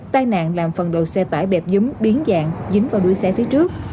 tai nạn làm phần đầu xe tải bẹp dúm biến dạng dính vào đuôi xe phía trước